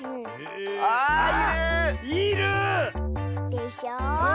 でしょ。